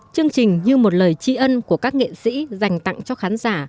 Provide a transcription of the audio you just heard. chương trình như một lời tri ân của các nghệ sĩ dành tặng cho khán giả